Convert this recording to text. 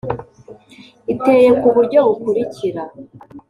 Iteye ku buryo bukurikira